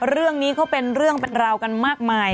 เรื่องนี้เขาเป็นเรื่องเป็นราวกันมากมาย